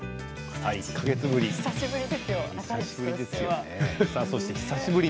１か月ぶり。